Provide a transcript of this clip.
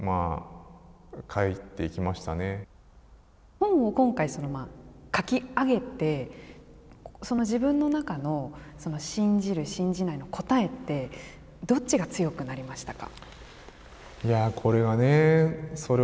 本を今回書き上げて、自分の中の信じる、信じないの答えって、どっちが強くなりましたか。